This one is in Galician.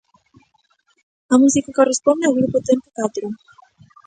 A música corresponde ao grupo Tempo Catro.